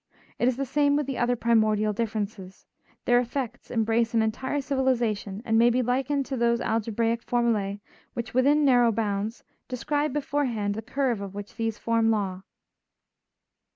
It is the same with the other primordial differences; their effects embrace an entire civilization, and may be likened to those algebraic formulæ which, within narrow bounds, describe beforehand the curve of which these form the law.